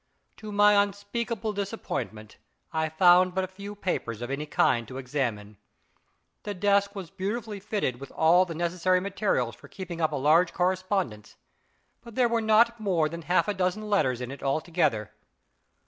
To my unspeakable disappointment I found but few papers of any kind to examine. The desk was beautifully fitted with all the necessary materials for keeping up a large correspondence; but there were not more than half a dozen letters in it altogether.